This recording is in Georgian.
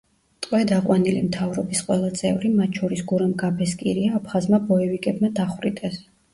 ტყვედ აყვანილი მთავრობის ყველა წევრი, მათ შორის გურამ გაბესკირია, აფხაზმა ბოევიკებმა დახვრიტეს.